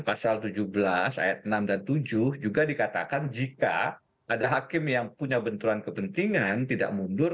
pasal tujuh belas ayat enam dan tujuh juga dikatakan jika ada hakim yang punya benturan kepentingan tidak mundur